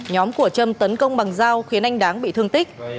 nhóm của trâm tấn công bằng dao khiến anh đáng bị thương tích